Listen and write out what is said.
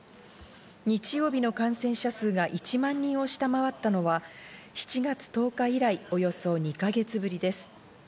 日曜日の感染者数が１万人を下回ったのは７月１０日以来およそ２か月ぶりです。